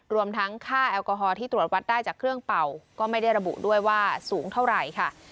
รวมทั้งค่าแอลกอฮอลที่ตรวจวัดได้จากเครื่องเป่าก็ไม่ได้ระบุด้วยว่าสูงเท่าไหร่ค่ะ